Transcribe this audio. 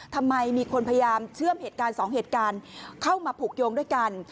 ทำไมมีคนพยายามเชื่อมเหตุการณ์สองเหตุการณ์เข้ามาผูกโยงด้วยกัน